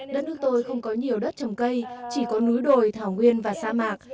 đất nước tôi không có nhiều đất trồng cây chỉ có núi đồi thảo nguyên và sa mạc